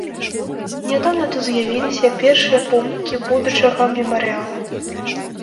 Нядаўна тут з'явіліся першыя помнікі будучага мемарыяла.